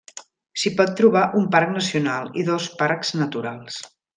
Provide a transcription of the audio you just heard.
S'hi pot trobar un parc nacional, i dos parcs naturals.